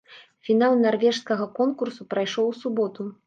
Фінал нарвежскага конкурсу прайшоў у суботу.